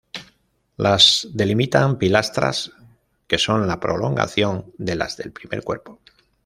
Las delimitan pilastras que son la prolongación de las del primer cuerpo.